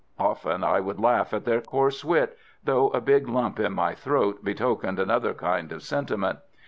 Often I would laugh at their coarse wit, though a big lump in my throat betokened another kind of sentiment.